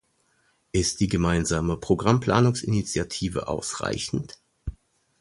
Ist die gemeinsame Programmplanungsinitiative ausreichend?